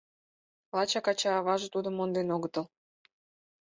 Лачак ача-аваже тудым монден огытыл.